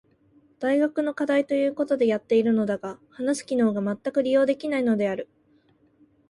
大学の課題と言うことでやっているのだが話す機能がまったく利用できていないのである。